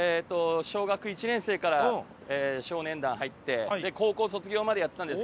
小学１年生から少年団入って高校卒業までやってたんですけど。